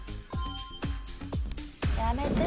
やめて！